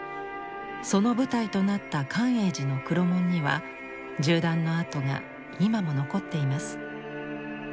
その舞台となった寛永寺の黒門には銃弾の跡が今も残っています。